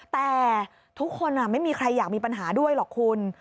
แต่ทุกคนไม่มีใครอยากมีปัญหาด้วยหรอกคุณ